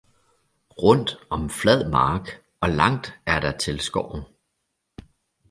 rundt om flad mark, og langt er der til skoven.